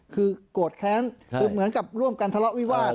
คือกดแค้นเหมือนกับร่วมการทะเลาะวิวาด